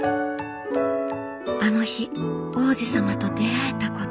「あの日王子様と出会えたこと。